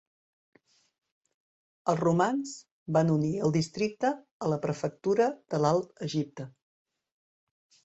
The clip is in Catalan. Els romans van unir el districte a la prefectura de l'Alt Egipte.